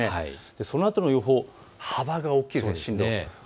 そのあとの予報、幅が大きくなっています。